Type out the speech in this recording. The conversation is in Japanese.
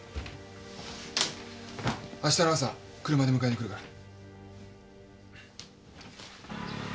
あしたの朝車で迎えに来るから。